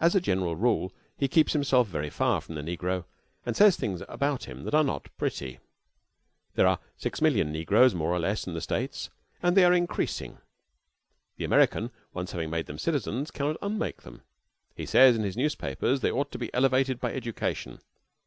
As a general rule he keeps himself very far from the negro, and says things about him that are not pretty. There are six million negroes, more or less, in the States, and they are increasing. The American, once having made them citizens, cannot unmake them. He says, in his newspapers, they ought to be elevated by education.